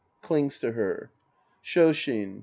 {Clings to her.) Shoshin.